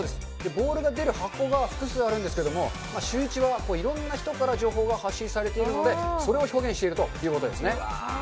ボールが出る箱が複数あるんですけれども、シューイチはいろんな人から情報が発信されているので、それを表現しているということですね。